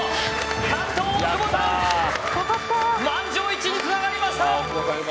担当大久保さん満場一致につながりました